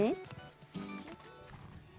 こっち？